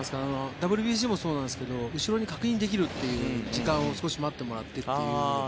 ＷＢＣもそうなんですけど後ろに確認できるという時間を少し待ってもらってっていう。